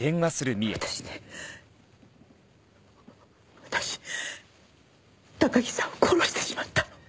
私ね私高木さんを殺してしまったの！